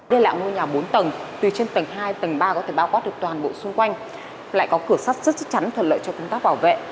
đây là ngôi nhà bốn tầng từ trên tầng hai tầng ba có thể bao quát được toàn bộ xung quanh lại có cửa sắt rất chắc chắn thuận lợi cho công tác bảo vệ